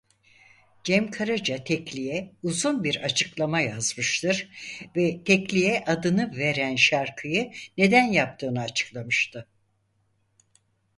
Cem Karaca tekliye uzun bir açıklama yazmıştır ve tekliye adını veren şarkıyı neden yaptığını açıklamıştı.